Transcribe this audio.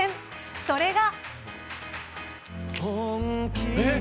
それが。